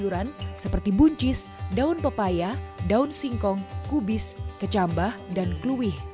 dari aneka sayuran seperti buncis daun pepaya daun singkong kubis kecambah dan keluih